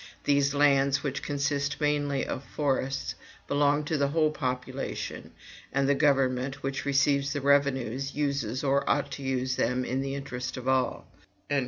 These lands, which consist mainly of forests, belong to the whole population, and the government, which receives the revenues, uses or ought to use them in the interest of all."